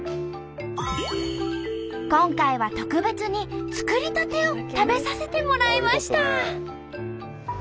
今回は特別に作りたてを食べさせてもらいました。